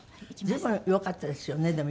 随分よかったですよね。